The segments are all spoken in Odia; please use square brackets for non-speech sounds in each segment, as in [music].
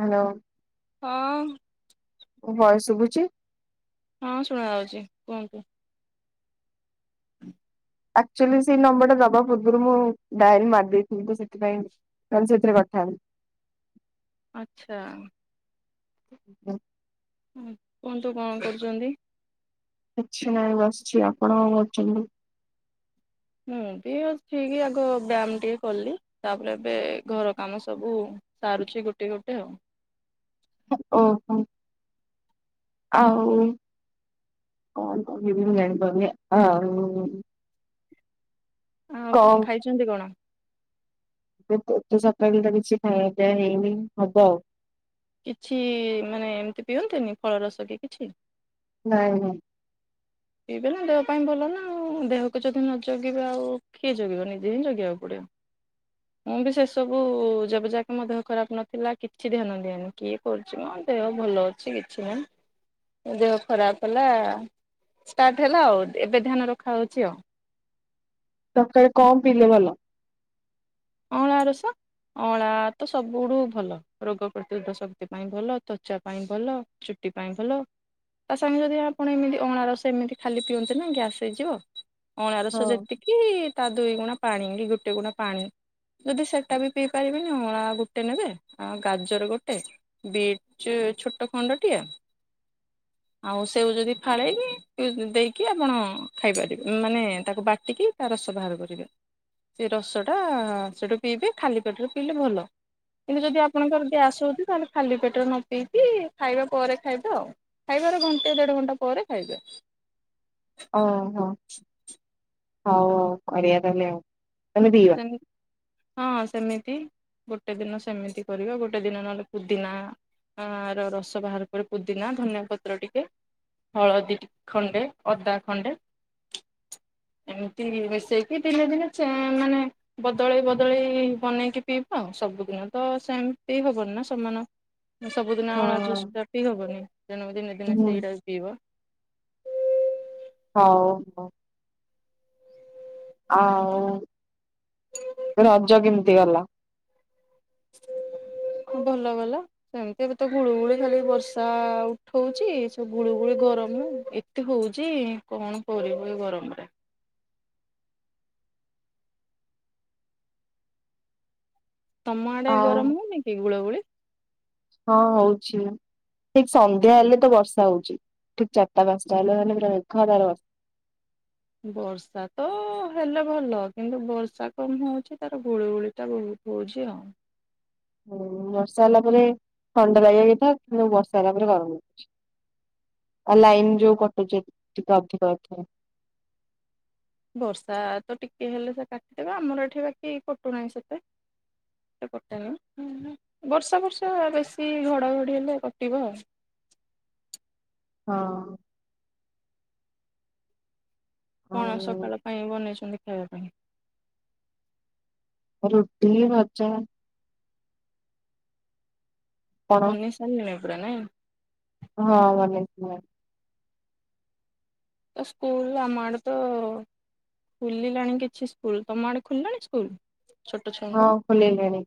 ହ୍ୟାଲୋ ହଁ। ମୋ ଭଏସ୍ ଶୁଭୁଛି? ହଁ ଶୁଣା ଯାଉଛି କୁହନ୍ତୁ। ଆକଚୁଆଲି ସେଇ ନମ୍ବର ଟା ଦବା ପୂର୍ବରୁ ମୁଁ ଡାଏରୀ ମାରି ଦେଇଥିଲି ତ ସେଥିପାଇଁ ସେଥିରେ କଥା ଆଚ୍ଛା ହ। ହୁଁ, କୁହନ୍ତୁ କଣ କରୁଛନ୍ତି? କିଛି ନହିଁ ବସିଛି। ଆପଣ କଣ କହୁଛନ୍ତି?? ମୁଁ ବି ଉଠିକି ଆଗ ବ୍ୟାୟାମ ଟିକେ କଲି ତାପରେ ଏବେ ଘର କାମ ସବୁ ସାରୁଛି ଗୋଟେ ଗୋଟେ ଆଉ। ଓହୋ, ଆଉ କଣ କହିବି ମୁ ଜଣିପାରୁନି ଆଉ ଆଉ କଣ ଖାଇଛନ୍ତି କଣ? ସକାଳ ତ କିଛି ଖାଇବା ପିଇବା ହେଇନି ହବ ଆଉ। କିଛି ମାନେ ଏମିତି ପିଅନ୍ତିନି ଫଳରସ କି କିଛି? ନାଇଁ ନାଇଁ। ପିଇବେ ନା ଦେହ ପାଇଁ ଭଲ ନା ଦେହକୁ ଯଦି ନ ଜଗିବେ ଆଉ କିଏ ଜଗିବ ନିଜେ ହିଁ ଜଗେଇକୁ ପଡିବ ।ମୁଁ ବି ସେସବୁ ଯେବେଯାକ ମୋ ଦେହ ଖରାପ ନଥିଲା କିଛି ଧ୍ୟାନ ଦିଏନି କିଏ କରୁଛି ମୋ ଦେହ ଭଲ ଅଛି କିଛି ନାହିଁ ଦେହ ଖରାପ ହେଲା ଷ୍ଟାର୍ଟ ହେଲା ଆଉ ଏବେ ଧ୍ୟାନ ରଖାହଉଛି ଆଉ ତଥାପି କମ୍ ପିଇଲେ ଭଲ। ଅଁଳା ରସ ଅଁଳା ତ ସବୁଠୁ ଭଲ। ରୋଗ ପ୍ରତିରୋଧ ଶକ୍ତି ପାଇଁ ଭଲ, ତ୍ଵଚା ପାଇଁ ଭଲ, ଚୁଟି ପାଇଁ ଭଲ ତା ସାଙ୍ଗେ ଯଦି ଆପଣ ଏମିତି ଅଁଳା ରସ ଏମିତି ଖାଲି ପିଅନ୍ତେ ନା ଗ୍ୟାସ ହେଇଯିବ ଅଁଳା ହଁ ରସ ଯେତିକି ତା ଦୁଇ ଗୁଣା ପାଣି କି ଗୁଟେ ଗୁଣା ପାଣି ଯଦି ସେଟା ବି ପିଇ ପାରିବେନି ଅଁଳା ଗୋଟେ ନେବେ ଆଉ ଗାଜର ଗୋଟେ ବିଟ ଛୋଟ ଖଣ୍ଡଟିଏ ଆଉ ସେଉ ଯଦି ଫାଳେଇନି ଦେଇକି ଆପଣ ଖାଇପାରିବେ ମାନେ ତାକୁ ବାଟିକି ତା ରସ ବାହାର କରିବେ। ସେ ରସଟା ସେଇଠୁ ପିଇବେ ଖାଲି ପେଟରେ ପିଇଲେ ଭଲ ।କିନ୍ତୁ, ଯଦି ଆପଣଙ୍କର ଗ୍ୟାସ ହେଉଛି ତାହେଲେ ଖାଲି ପେଟରେ ନ ପିଇକି ଖାଇବା ପରେ ଖାଇବେ ଆଉ। ଖାଇବାର ଘଣ୍ଟେ ଦେଢ଼ ଘଣ୍ଟା ପରେ ଖାଇବେ। ଓ ହୋ ହଉ ହଉ ବଢଆ ତାହଲେ ଆଉ। ତାହେଲେ ପିଇବା। ସେ ହଁ ସେମିତି ଗୋଟେ ଦିନ ସେମିତି କରିବା ଗୋଟେ ଦିନ ନହେଲେ ପୁଦିନା ଆ ର ରସ ବାହାର କରି ପୁଦିନା ଧନିଆ ପତ୍ର ଟିକେ ହଳଦୀ ଖଣ୍ଡେ ଅଦା ଖଣ୍ଡେ ଏମିତି ମିଶେଇକି ଦିନେ ଦିନେ ମାନେ ବଦଳେଇ ବଦଳେଇ ବନେଇକି ପିଇବା ଆଉ ସବୁଦିନ ତ ସେମତି ହବନି ନା ସମାନ ହଁ ସବୁଦିନ ହଁ ଜୁସ୍ ଟା ପି ହବନି ତେଣୁ ଦିନେ ଦିନେ ହୁଁ ସେଇଟା ବି ପିଇବ। ହଉ ହ। ଆଉ ରଜ କେମିତି ହେଇଗଲା ଭଲ ଭଲ ସେମିତି ଏବେ ତ ଗୁଳୁଗୁଳି ଖାଲି ବର୍ଷା ଉଠଉଛି ସବୁ ଗୁଳୁଗୁଳିୁ ଗରମ ଏତେ ହଉଚ କଣ କରିବ ଏ ଗରମରେ ତ ଆଡେ ଆଉ ଗରମ ହଉନି କି ଗୁଳ ଗୁଳି ହଁ ହଉଚି ଠିକ୍ ସନ୍ଧ୍ୟା ହେଲେ ତ ବର୍ଷା ହଉଚି ଠିକ୍ ଚାରିଟା ପାଞ୍ଚଟା ହେଲେ ହେଲେ ପୁର ମେଘ ବର୍ଷା ବର୍ଷା ତ ହେଲେ ଭଲ କିନ୍ତୁ ବର୍ଷା କମ ହଉଚି ତାର ଗୁଳିୁଗୁଳି ଟା ବହୁତ ହଉଚି ଆଉ। ହୁଁ ବର୍ଷା ହେଲା ପରେ ଥଣ୍ଡା ଲାଗ ନା କିନ୍ତୁ ବର୍ଷା ହେଲା ପରେ ଗରମ ଲାଗୁଚି ଆଉ ଲାଇନ ଯୋଉ କଟୁଚି ଟିକେ ଅଧିକ ଅଥୟ ବର୍ଷା ତ ଟିକେ ହେଲେ ସେ କାଟିଦବେ ଆମର ଏଠି ବାକି କଟୁନାହିଁ ସେତେ କଟେନି ବର୍ଷା ବର୍ଷା ବେଶୀ ଘଡଘଡି ହେଲେ କଟିବ ଆଉ। ହଁ। କଣ ସକାଳ ପାଇଁ ବନେଇଛନ୍ତି ଖାଇବାକୁ ହୁଁ। ରୁଟି ଭଜା କଣ ବନେଇ ସାରିଲିଣି କପଡ଼ା ନାହି। ହଁ ଭଲ ହେଇଥିଲା। ସ୍କୁଲ ଆମ ଆଡେ ତ ଖୋଲିଲାଣି କିଛି ସ୍କୁଲ ତମ ଆଡେ ଖୋଲିଲାଣି ସ୍କୁଲ? ଛୋଟ ହଁ ଛୁଆଙ୍କର ଖୋଲିଲାଣି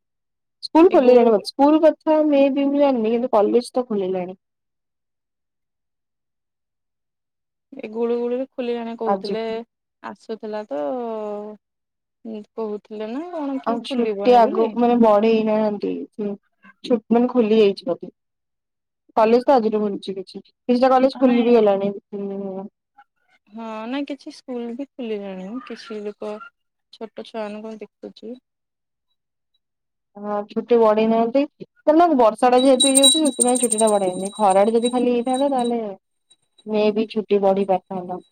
ସ୍କୁଲ ଏ ଗୁଳୁ ଖୋଲିଲାଣି ସ୍କୁଲ କଥା ମେଁ ବି ମୁଁ ଜାଣିନି। କଲେଜ ତ ଖୋଲିଲାଣି। ଏ ଗୁଳୁ ଗୁଳୁ ରୁ ଖୋଲିଲାଣି କହୁଥିଲେ ଆଜିଠୁ। ଆସୁଥିଲା ତ ତ ଅ [unintelligible] ଆଉ ଛୁଟି ଆଗକୁ ମାନେ ବଢ଼େଇ ନାହାନ୍ତି ଛୁ ମାନେ ଖୋଲି ଯାଇଚି ବୋଧେ କଲେଜ ତ ଆଜିରୁ ଖୋଲିଛି କିଛି କିଛିଟା କଲେଜ ଖୋଲି ନାଇଁ ବି ଗଲାଣି। ହଁ ନାଇଁ କିଛି ସ୍କୁଲ ବି ଖୋଲିଲାଣି ମ କିଛି ଲୋକ ଛୋଟ ଛୁଆମାନଙ୍କୁ ହ ଦେଖୁଚି। ହଁ ଛୁଟି ବଢେଇନାହାନ୍ତି ବର୍ଷା ଟା ଯେହେତୁ ହେଇଯାଉଚି ସେଥିପାଇଁ ଛୁଟି ଟା ବଢେଇନି ଖରା ଟା ଯଦି ଖାଲି ହେଇଥାନ୍ତା ତାହେଲେ ମେ ବି ଛୁଟି ବଢି ପାରିଥାନ୍ତା।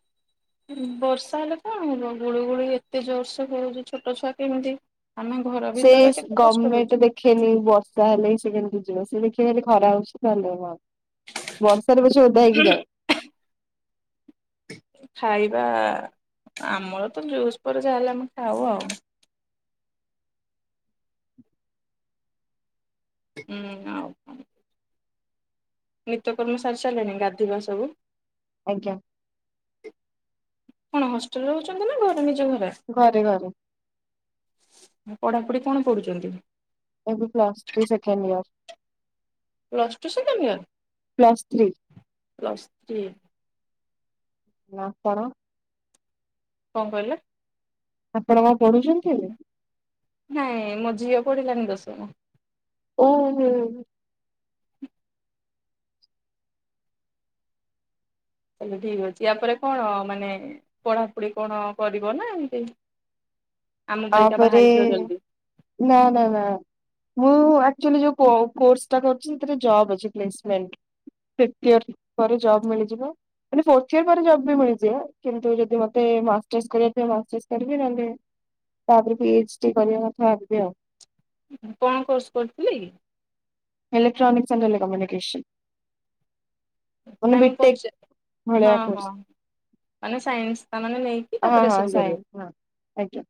ବର୍ଷା ହେଲେ କଣ ହବ ଗୁଳିୁ ଗୁଳି ଏତେ ଜୋରସୋର ହଉଛି ଛୋଟ ଛୁଆ କେମିତି ଆମେ ଘର ସେ ଭିତରେ କେତେ କଷ୍ଟ ହଉଛି। ଗମେଣ୍ଟ ଦେଖେନି ବର୍ଷା ହେଲେ ସେ କେମିତି [unintelligible] ଖରା ହଉଚି ନହେଲେ ବଷ ସମସ୍ତେ ଓଦା ହେଇକି ଯାଅ। ଖାଇବା ଆମର ତ ଜୁସ୍ ପରେ ଯାହା ହେଲେ ଆମେ ଖାଉ ଆଉ। ହୁଁ ଆଉ କଣ ନିତ୍ୟକର୍ମ ସାରି ସାରିଲାଣି ଗାଧୋଇବା ସବୁ। ଆଜ୍ଞା। କଣ ହଷ୍ଟେଲରେ ରହୁଛନ୍ତି ନା ଘରେ ନିଜ ଘ ଘରେ ଘରେ। ପଢ଼ାପଢ଼ି କଣ ପଢ଼ୁଛନ୍ତି? ଏବେ plus three second year plus two plus three second year plus three. ନା କଣ? କଣ କହିଲେ? ଆପଣ କଣ ପଢୁଛନ୍ତି ଏବେ ନାଇଁ ମୋ ଝିଅ ପଢିଲାନି ଦଶମ। ଓହୋ। ତାହେଲେ ଠିକ ଅଛି ଆପରେ କଣ ମାନେ ପଢାପଢି କଣ କରିବ ନା ଏମତି ଆମ ପରିକା ବାହା ତାପରେ ହେଇଯିବ ଜଲ୍ଦି ନା ନା ନା ମୁଁ ଆଚ୍ୟୁଆଲି ଯୋଉ କୋ କୋର୍ସ କରିଛି ସେଥିରେ job placement fifth year ପରେ ଜବ ମିଳିଯିବ ମାନେ ଫୋଟି ଇୟରଏସ୍ ପରେ ବି ଜବ ମିଳିଯିବ କିନ୍ତୁ ଯଦି ମତେ ମାଷ୍ଟରସ କରିବାପାଇଁ ଯଦି ମାଷ୍ଟରସ କରିବି। ତାପରେ ପି ଏଚ ଡି କରିବା କଥା ଭାବିବି ଆଉ। କଣ କୋର୍ସ କରିଥିଲେ? Electronics and telecommunication. ନାଇ ପଚାରିନି ହଁ ହଁ କୋର୍ସ ମାନେ ସାଇନ୍ସ ତାମାନେ ନେଇକି ହଁ ତାପରେ ହଁ ଏସବୁ କରିବ। ସାଇନ୍ସ ହଁ। ଆଜ୍ଞା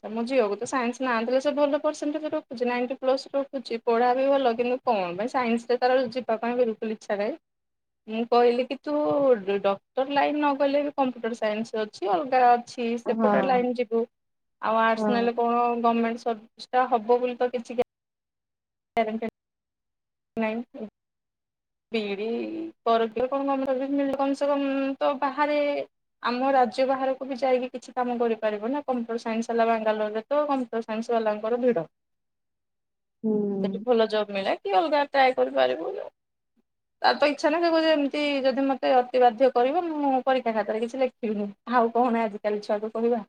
ଆଚ୍ଛା ମୋ ଝିଅକୁ ତ ସାଇନ୍ସ ନାହାଥିଲେ ସେ ଭଲ ପରସେଣ୍ଟେଜ ରଖୁଛି ନାଇଣ୍ଟି ପ୍ଲସ ରଖୁଛି ପଢ଼ା ବି ଭଲ କିନ୍ତୁ କନ ପାଇଁ ସାଇନ୍ସରେ ତାର ଯିବା ପାଇଁ ବିଲକୁଲ ଇଚ୍ଛା ନାହିଁ ମୁଁ କହିଲି କି ତୁ ଡକ୍ଟର ଲାଇନ୍ ନଗଲେ ବି କମ୍ପ୍ୟୁଟର ସାଇନ୍ସ ଅଛି ଅଲଗା ଅଛି ହଁ ସେପଟ ଲାଇନ ଯିବୁ। ଆର୍ଷ ହଁ ନେଲେ କଣ? ଗମେଣ୍ଟ ସର୍ଭିସ୍ଟା ହବ ବୋଲି ତ କିଛି ଗ୍ୟା [inaudible] ବିଇଡ଼ି କରିବ କଣ [unintelligible] କମ ସେ କମ ତ ବାହାରେ ଆମ ରାଜ୍ୟ ବାହାରକୁ ବି ଯାଇକି କିଛି କାମ କରିପାରିବ ନା କମ୍ପ୍ୟୁଟର ସାଇନ୍ସ ବାଲା ବାଙ୍ଗାଲୋରରେ ତ କମ୍ପ୍ୟୁଟର ସାଇନ୍ସ ବାଲାଙ୍କର ଭିଡ଼। ହୁଁ। ସେଠି ଭଲ ଜବ୍ ମିଳେ। କି ଅଲଗା ଟ୍ରାଏ କରିପାରିବୁ। ତା ତ ଇଚ୍ଛା ନାହିଁ ସେ କଉଚି ଏମିତି ଯଦି ମୋତେ ଅତି ବାଧ୍ୟ କରିବ ମୁଁ ପରୀକ୍ଷା ଖାତାରେ କିଛି ଲେଖିବିନି ଆଉ କଣ ଆଜିକାଲି ଛୁଆକୁ କହିବା।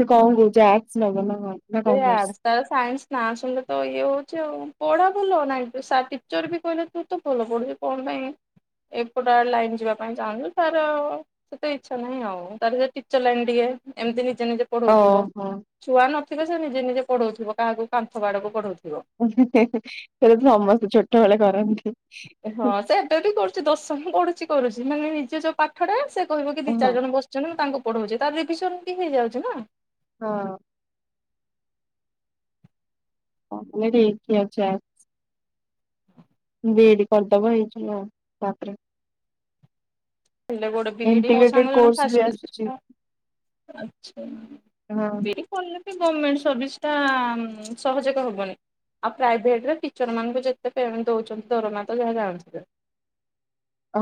ସେ କଣ କଉଚି ଆର୍ଷା ନବ ନା । ସେ ଆଡ୍ସ ତାର ସାଇନ୍ସ ନା ଶୁଣେତ ଇ ହୋଉ ଚି ଆଉ ପଢା ଭଲ ନାଇଁ ଟିଚର ବି କହିଲେ ତୁ ତ ଭଲ ପଢୁଛୁ କଣ ପାଇଁ ଏପଟା ଲାଇନ୍ ଯିବା ପାଇଁ ଚାହୁଁଛୁ ତାର ସେତେ ଇଚ୍ଛା ନାହିଁ ଆଉ ତାର ସେ ଟିଚର ଲାଇନ ଟିକେ ଏମତି ନିଜେ ନିଜେ ପଢଉଥିବ ଓହୋ ଛୁଆ ନ ତେବେ ସେ ନିଜେ ନିଜେ ପଢଉଥିବ କାହାକୁ କନ୍ଥ ବାଡକୁ ପଢଉ [unintelligible] ସମସ୍ତେ ଛୋଟବେଳେ କରନ୍ତି। ହଁ ସେ ଏବି କରୁଚି ଦଶମପଡୁଚି କରୁଚି। ମାନେ ନିଜ ଯୋଉ ପାଠଟା ସେ କହିବ କି ଦି ହଁ ଚାରି ଜଣ ବସୁଚନ୍ତି ନା ତାଙ୍କୁ ପଢଉଚି ତାର ରିଭିଜନ ବି ହେଇଯାଉଚି ନା। ହଁ। [unintelligible] ବିଡି କରିଦବ ହେଇ ଯିବ ଆଉ ତାପରେ। [unintelligible] ବିଡ଼ି ମୋ ଇଣ୍ଟିଗ୍ରେଟେଡ ସାଙ୍ଗ ଜଣେ କୋର୍ସ ବି ଆସୁଛି ଫାଷ୍ଟ ଆଚ୍ଛା ହଁ [unintelligible] ଗମେଣ୍ଟ ସର୍ଭିସ୍ ଟା ସହଜୋଗ ହବନି ଆଉ ପ୍ରାଇଭେଟରେ ଟିଚର ମାନଙ୍କୁ ଯେତେ ପେମେଣ୍ଟ ଦେଉଛନ୍ତି ଦରମା ତ ଯାହା ଜାଣୁଥୁବେ। ହଁ।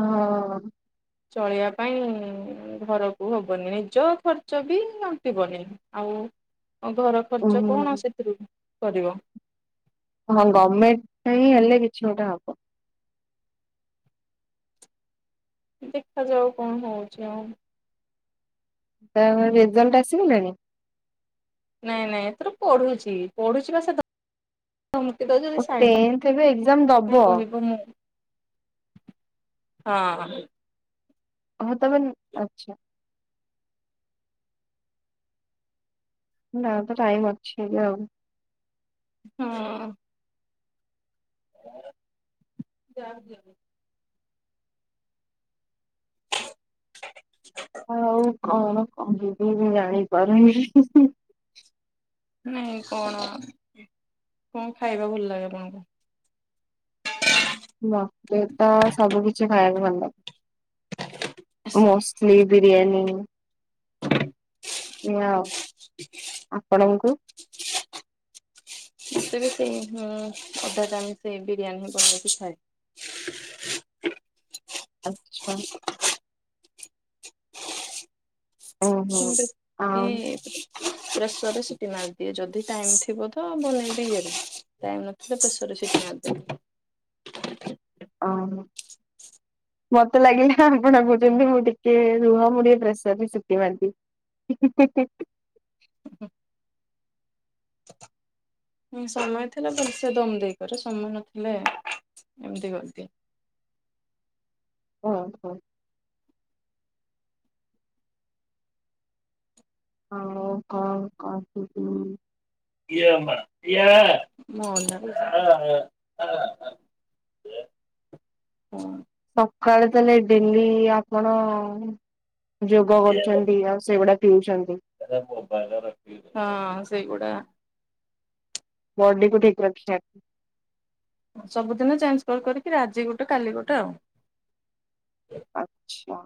ଚଳେଇବା ପାଇଁ ଘରକୁ ହବନି ନିଜ ଖର୍ଚ୍ଚ ବି ଅଣ୍ଟିବନି ଆଉ। ଆଉ ଘର ଉଁ ଖର୍ଚ୍ଚ କଣ ସେଥିରୁ। କରିବ? ହଁ ଗର୍ମେଣ୍ଟ ପାଇଁ ହେଲେ କିଛି ଗୋଟେ ହବ। ଦେଖାଯାଉ କଣ ହଉଚି ଆଉ। ରେଜଲ୍ଟ ଆସିଗଲାଣି? ନାଇଁ ନାଇଁ ଏଥିରୁ ପଢୁଛି ପଢୁଛି ବା ସେ ଧମକି ଦଉଛି ଯଦି ସାଇନ୍ସ ଟେନ୍ଥ ଏବେ ଏକ୍ଜାମ ନାଇଁ ଦବ। କହିବ ମୁଁ ହଁ। ହଁ। ତମେ ଆଚ୍ଛା। ନା ତ ଟାଇମ ଅଛି ଏବେ ଆଉ। ହଁ। [unintelligible] ଆଉ କଣ କହିବି ମୁଁ ଜାଣିପାରୁନି। ନାଇଁ କଣ କଣ ଖାଇବା ଭଲ ଲାଗେ ଆପଣଙ୍କୁ? ମତେ ତ ସବୁ କିଛି ଖାଇବାକୁ ଭଲ ଲାଗେ। ମୋଷ୍ଟଲି ବିରିୟାନୀ ଇଆଉ ଆପଣଙ୍କୁ? ମତେ ବି ସେଇ ହୁଁ ଅଧା ଚାମ ଚେ ବିରିୟାନୀ ବନେଇ କି ଖାଏ। ଆଚ୍ଛା। ଓହୋ ମୁଁ ତାକୁ ଆଉ ଇଏଁ କରେ। ପ୍ରେସର ରେ ସିଟି ମାରିଦିଏ, ଯଦି ଟାଇମ ଥିବ ତ ବନେଇବି ଇଏରେ ଟାଇମ ନଥିଲେ ପ୍ରେସରରେ ସିଟି ମାରିଦିଏ। ଓ ମତେ ଲାଗିଲା ଆପଣ କହୁଛନ୍ତି ମୁଁ ଟିକେ ରୁହ ମୁଁ ଟିକିଏ ପ୍ରେସର ରେ ଶିଟି ମାରି ଦିଏ। ହିଁ ହିଁ ହିଁ। ହଁ ସମୟ ଥିଲେ ଭଲସେ ଦମ ଦେଇକରେ ସମୟ ନଥିଲେ ଏମିତି କରିଦିଏ। ଓ ହୋ। ଆଉ କଣ କହିବି । [unintelligible] ହୁଁ। ସକାଳେ ତାହଲେ ଡେଲି ଆପଣ ଅ ଅ ଯୋଗ କରୁଛନ୍ତି ଆଉ ସେଗୁଡାକ ଟ୍ୟୁସନ୍। ହଁ ସେଇ ଗୋଟେ ଟା। ବଡିକୁ ଠିକ୍ ରଖିଆ। ସବୁଦିନ ଚେଞ୍ଜ କରିକରି କରି ଆଜି ଗୋଟେ କାଲି ଗୋଟେ ଆଉ। ଆଚ୍ଛା।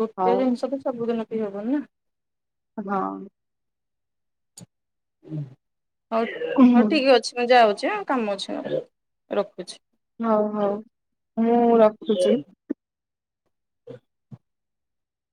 ଗୋଟେ ହଉ ଜିନିଷ ତ ସବୁଦିନ ଦି ହବନା ହଁ। ହୁଁ ହଉ ହଉ ଠିକ୍ ଅଛି ମୁଁ ଯାଉ ଯେ କାମ ଅଛି ମୋର ରଖୁଛି। ହଉ ହଉ ମୁଁ ରଖୁଛି।